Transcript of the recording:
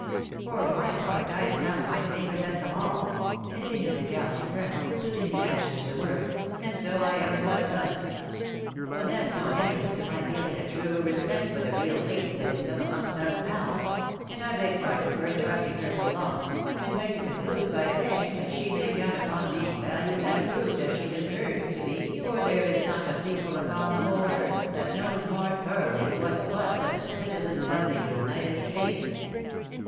For my part, I snap my fingers at them all," continued the gallant colonel, suiting the action to the word, " and so I ever have done. But that's no hindrance to my feeling a true respect for the real lady that is come amongst us now ; and I beg pardon for interrupting her so long ; and beg to conclude by saying that she may count upon being valued and approved as she deserves to be, for there is not a people upon the whole earth that knows more thoroughly what's what than the citizens of the United States."